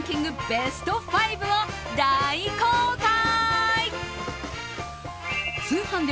ベスト５を大公開！